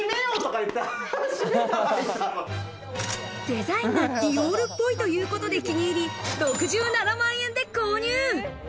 デザインがディオールっぽいということで気に入り、６７万円で購入。